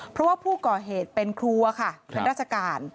เพราะว่าผู้ก่อเหตุเป็นครัวค่ะเป็นราชการ